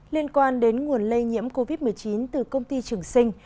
liên quan đến nguồn lây nhiễm covid một mươi chín từ công ty trường sinh